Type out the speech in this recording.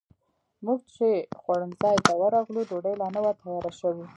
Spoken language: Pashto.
موږ چې خوړنځای ته ورغلو، ډوډۍ لا نه وه تیاره شوې.